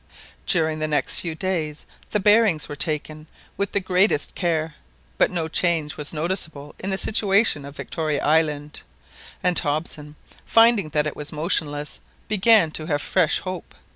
During the next few days the bearings were taken with the greatest care, but no change was noticeable in the situation of Victoria Island; and Hobson, finding that it was motionless, began to have fresh hope.